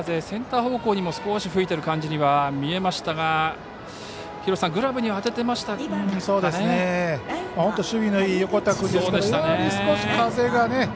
センター方向にも少し吹いてるようには見えましたがグラブには当ててましたがね。